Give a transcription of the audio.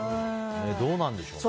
どうなんでしょうね。